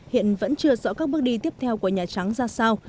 hiện vẫn chưa rõ các bước đi tiếp theo của nhà trắng ra sao